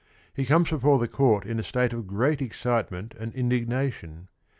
He comes before the court in a state of great excitement and indignation.